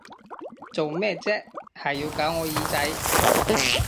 做咩啫，係要搞我耳仔！